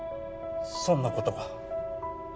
そんなことが？